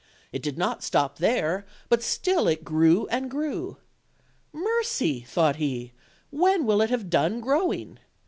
It did not stop there, but still it grew and grew. 'Mercy!" thought he, "when will it have done growing?"